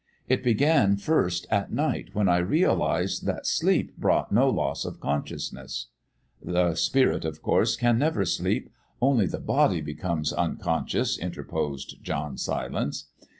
It began first at night, when I realised that sleep brought no loss of consciousness " "The spirit, of course, can never sleep. Only the body becomes unconscious," interposed John Silence.